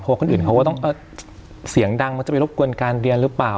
พอคนอื่นเขาก็ต้องเสียงดังมันจะไปรบกวนการเรียนหรือเปล่า